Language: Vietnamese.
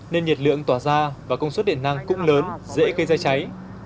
nên nhiệt lượng tỏa ra và công suất điện năng cũng lớn dễ gây ra cháy